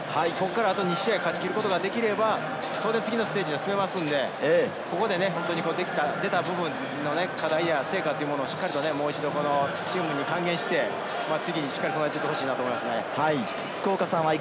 あと２試合、勝ち切ることができれば次のステージに進めますので、ここで出た課題や成果をしっかりもう一度、チームに還元して、次に備えていってほしいと思います。